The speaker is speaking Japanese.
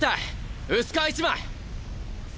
薄皮一枚！